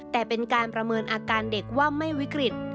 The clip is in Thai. แต่เป็นการประเมินอาการเด็กว่าไม่วิกฤต